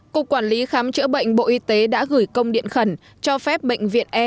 cục quản lý khám chữa bệnh bộ y tế đã gửi công điện khẩn cho phép bệnh viện e